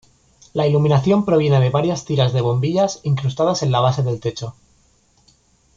La iluminación proviene de varias tiras de bombillas incrustadas en la base del techo.